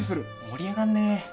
盛り上がんねえ。